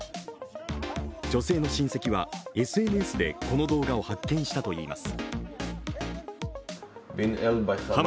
女性の親戚はＳＮＳで、この動画を発見したといいます。